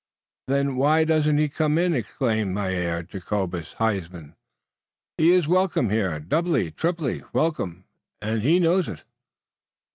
"Then why doesn't he come in?" exclaimed Mynheer Jacobus Huysman. "He iss welcome here, doubly, triply welcome, und he knows it."